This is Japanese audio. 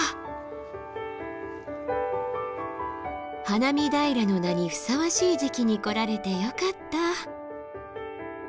花見平の名にふさわしい時期に来られてよかった。